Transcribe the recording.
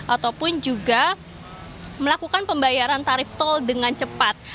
ataupun juga melakukan pembayaran tarif tol dengan cepat